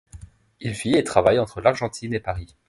Il vit et travaille entre l'Argentine et Paris.